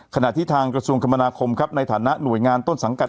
ขณะที่ทางกระทรวงคมนาคมครับในฐานะหน่วยงานต้นสังกัด